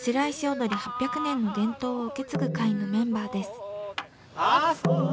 踊８００年の伝統を受け継ぐ会のメンバーです。